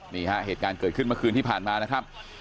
เหตุการณ์เกิดขึ้นเมื่อคืนที่ผ่านมานะครับ